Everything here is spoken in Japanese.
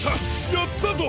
やったぞ！